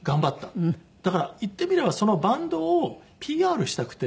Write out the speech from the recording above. だから言ってみればそのバンドをＰＲしたくて。